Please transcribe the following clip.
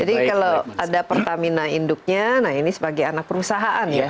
jadi kalau ada pertamina induknya nah ini sebagai anak perusahaan ya